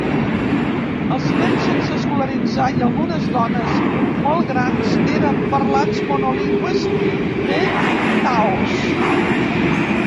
Els nens sense escolaritzar i algunes dones molt grans eren parlants monolingües de taos.